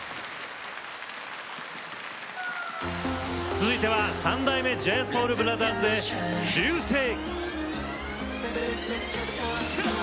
続いては三代目ＪＳＯＵＬＢＲＯＴＨＥＲＳで「Ｒ．Ｙ．Ｕ．Ｓ．Ｅ．Ｉ．」！